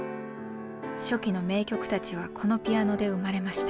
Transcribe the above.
初期の名曲たちはこのピアノで生まれました。